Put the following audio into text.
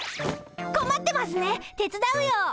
こまってますね手伝うよ。